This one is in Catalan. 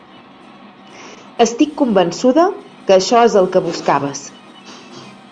Estic convençuda que això és el que buscaves.